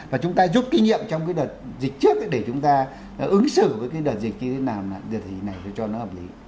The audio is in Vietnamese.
và chúng ta giúp kinh nghiệm trong cái đợt dịch trước để chúng ta ứng xử với cái đợt dịch như thế nào là đợt gì này cho nó hợp lý